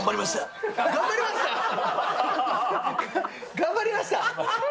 頑張りました？